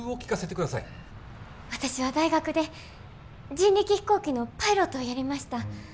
私は大学で人力飛行機のパイロットをやりました。